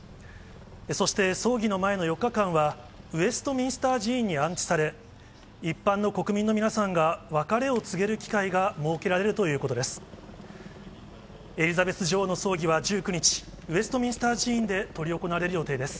そして葬儀の前の４日間は、ウェストミンスター寺院に安置され、一般の国民の皆さんが別れを告げる機会が設けられるということです。